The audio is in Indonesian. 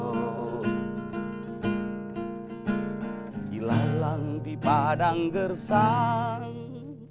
oh ilalang di padang gersang